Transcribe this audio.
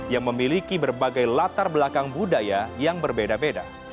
yang memiliki berbagai latar belakang budaya yang berbeda beda